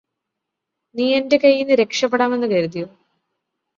നീയെന്റെ കൈയ്യീന്ന് രക്ഷപ്പെടാമെന്ന് കരുതിയോ